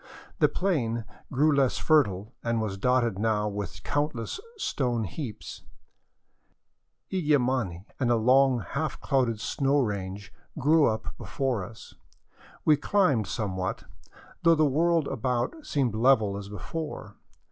The plain grew less fertile, and was dotted now with countless stone heaps ; Illimani and a long, half clouded snow range grew up before us ; we climbed somewhat, though the world roundabout seemed level as be fore.